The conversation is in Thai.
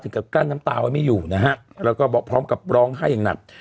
กับกลั้นน้ำตาไว้ไม่อยู่นะฮะแล้วก็พร้อมกับร้องไห้อย่างหนัก